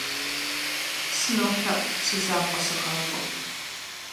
СынолъэӀу, си закъуэ сыгъакӀуэ.